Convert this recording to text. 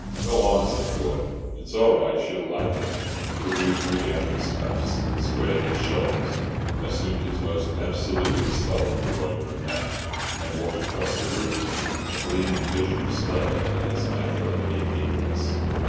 "Go on," said Gordon, "it's all right. She'll like it." Carew drew down his cuffs, squared his shoulders, assumed his most absolutely stolid drawing room manner, and walked across the room, a gleaming vision of splendour in his immaculate evening dress.